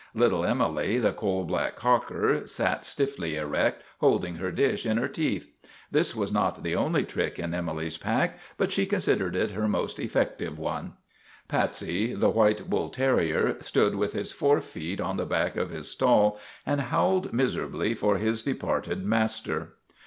Little Emily, the coal black cocker, sat stiffly erect, holding her dish in her teeth. This was not the only trick in Emily's pack ; but she considered it her most effective one. Patsy, the white bull terrier, stood with his fore feet on the back of his stall and howled miserably for his de parted master.